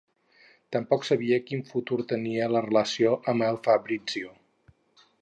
Tampoc sabia quin futur tenia la relació amb el Fabrizio.